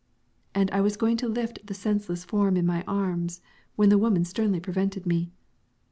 And I was going to lift the senseless form in my arms when the woman sternly prevented me.